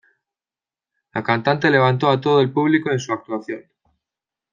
La cantante levantó a todo el público en su actuación.